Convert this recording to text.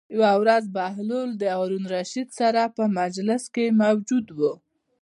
یوه ورځ بهلول د هارون الرشید سره په مجلس کې موجود و.